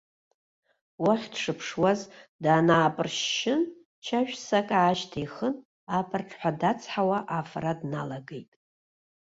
Уахь дшыԥшуаз даанапыршьшьын, чашәк-сак аашьҭихын, апырҿҳәа дацҳауа афара дналагеит.